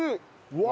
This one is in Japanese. うわ！